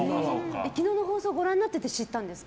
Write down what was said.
昨日の放送をご覧になってて知ったんですか。